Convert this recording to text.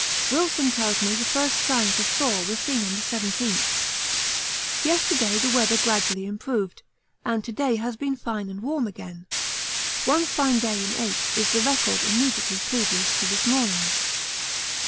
Wilson tells me the first signs of thaw were seen on the 17th. Yesterday the weather gradually improved, and to day has been fine and warm again. One fine day in eight is the record immediately previous to this morning.